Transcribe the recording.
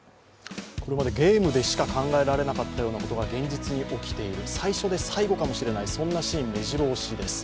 これまでゲームでしか考えられなかったようなことが現実に起きている、最初で最後かもしれないそんなシーン、めじろ押しです。